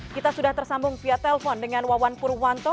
kita sudah tersambung via telpon dengan wawan purwanto